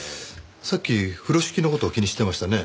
さっき風呂敷の事を気にしてましたね？